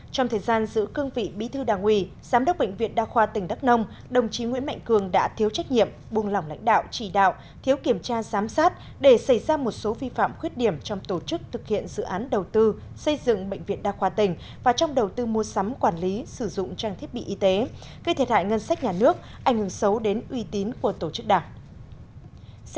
trong thời gian giữ cương vị bí thư đảng ủy giám đốc bệnh viện đa khoa tỉnh đắp nông đồng chí nguyễn mạnh cường đã thiếu trách nhiệm buông lỏng lãnh đạo trì đạo thiếu kiểm tra giám sát để xảy ra một số vi phạm khuyết điểm trong tổ chức thực hiện dự án đầu tư xây dựng bệnh viện đa khoa tỉnh và trong đầu tư mua sắm quản lý sử dụng trang thiết bị y tế gây thiệt hại ngân sách nhà nước ảnh hưởng xấu đến uy tín của tổ chức đảng